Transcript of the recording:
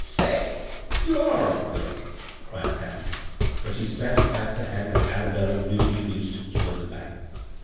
" Say, you are a brick," cried Patty; but she snatched back the hand that Arabella greedily reached toward the bag.